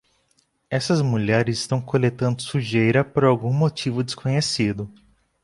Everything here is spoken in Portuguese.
Essas mulheres estão coletando sujeira por algum motivo desconhecido.